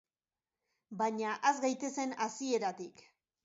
Baina has gaitezen hasieratik.